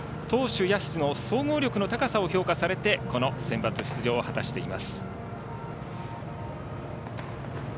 投手、野手の総合力の高さを評価されてセンバツ出場を果たしています。